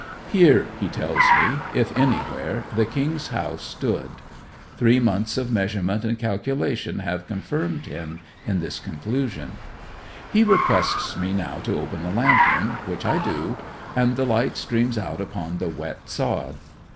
Here, he tells me, if anywhere, the king's house stood. Three months of measurement and calculation have confirmed him in this conclusion. He requests me now to open the lantern, which I do, and the light streams out upon the wet sod.